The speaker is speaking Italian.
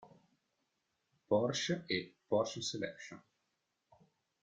Porsche" e "Porsche Selection".